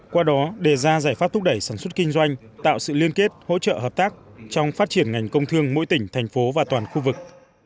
qua đó đề ra giải pháp thúc đẩy sản xuất kinh doanh tạo sự liên kết hỗ trợ hợp tác trong phát triển ngành công thương mỗi tỉnh thành phố và toàn khu vực